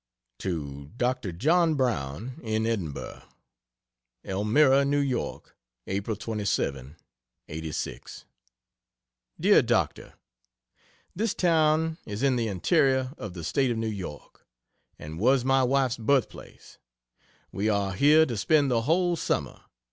To Dr. John Brown, in Edinburgh: ELMIRA, N. Y., April 27, '86. DEAR DOCTOR, This town is in the interior of the State of New York and was my wife's birth place. We are here to spend the whole summer.